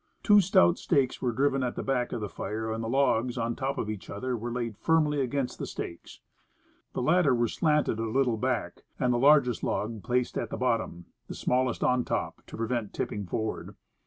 Two stout stakes were driven at the back of the fire, and the logs, on top of each other, were laid firmly against the stakes. The latter were slanted a little back, and the largest log placed at bottom, the small est on top, to prevent tipping forward.